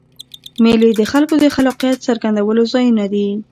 مېلې د خلکو د خلاقیت څرګندولو ځایونه دي.